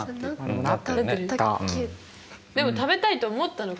でも食べたいと思ったのか？